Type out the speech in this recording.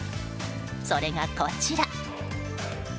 それがこちら。